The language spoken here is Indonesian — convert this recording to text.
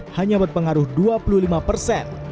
hanya berpengaruh dua puluh lima persen